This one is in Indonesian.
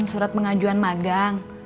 surat pengajuan magang